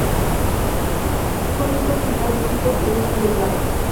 Fue obispo auxiliar de Quito y obispo de Ibarra.